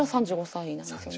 ３５歳で。